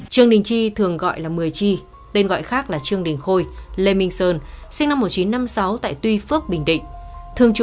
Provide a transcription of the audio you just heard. trương đình chi tên gọi là bình thuận thị xã hàm tân sinh năm một nghìn chín trăm tám mươi tại lê minh sơn thường trú tại tỉnh bình thuận